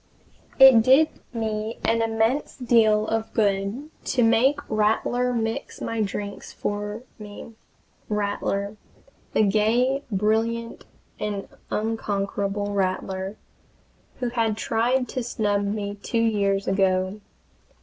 It did me an immense deal of good to make Rattler mix my drinks for me Rattler! the gay, brilliant, and unconquerable Rattler, who had tried to snub me two years ago.